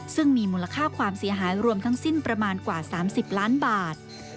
ซึ่งมีมูลค่าความเสียหายรวมทั้งสิ้นประมาณกว่า๓๐ล้านบาท